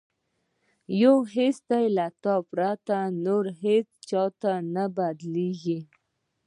یو حس دی له تا پرته، نور هیڅ چاته نه بدلیږي